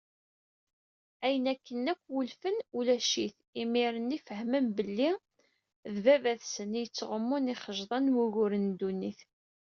Ayen akken akk wulfen, ulac-it, imir-nni fehmen belli d baba-tsen i yettɣummun ixejḍan n wuguren n ddunit.